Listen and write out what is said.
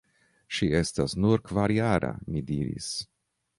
Ŝi estas nur kvarjara – mi diris.